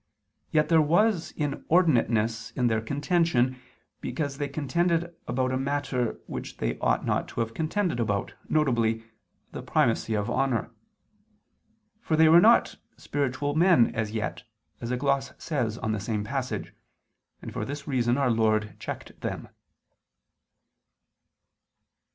Yet there was inordinateness in their contention, because they contended about a matter which they ought not to have contended about, viz. the primacy of honor; for they were not spiritual men as yet, as a gloss says on the same passage; and for this reason Our Lord checked them.